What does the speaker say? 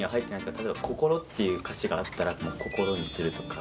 例えば「心」っていう歌詞があったら心にするとか。